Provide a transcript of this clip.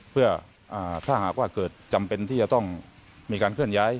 เพื่อถ้าหากว่าเกิดจำเป็นที่จะต้องมีการเคลื่อนย้าย